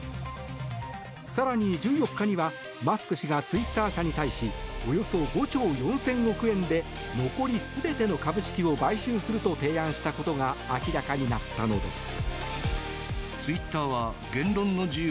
更に１４日にはマスク氏がツイッター社に対しおよそ５兆４０００億円で残り全ての株式を買収すると提案したことが明らかとなったのです。